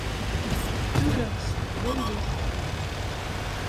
Luleɣ-d s teqbaylit.